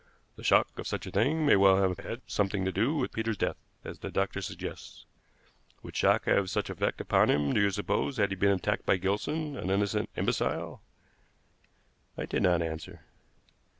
The shock of such a thing may well have had something to do with Peter's death, as the doctor suggests. Would shock have had such effect upon him, do you suppose, had he been attacked by Gilson, an innocent imbecile?" I did not answer.